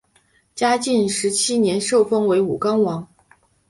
嘉靖十七年受封为武冈王。